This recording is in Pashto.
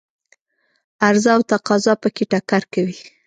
عرضه او تقاضا په کې ټکر کوي.